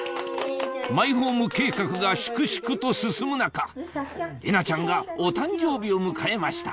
マイホーム計画が粛々と進む中えなちゃんがお誕生日を迎えました